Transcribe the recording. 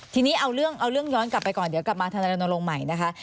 ทีนี้เอาเรื่องย้อนกลับไปก่อนเดี๋ยวกลับมาธนารณรงค์ใหม่นะคะ